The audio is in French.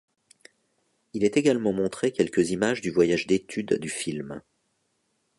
Il est également montré quelques images du voyage d'étude du film.